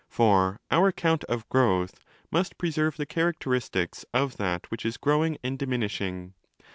For our account of growth must preserve the characteristics of that which is growing and diminishing.